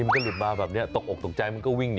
แล้วก็ตักคนต่างวิ่ง